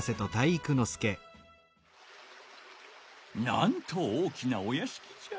なんと大きなおやしきじゃ。